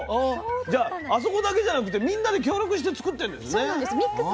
じゃああそこだけじゃなくてみんなで協力して作ってるんですね。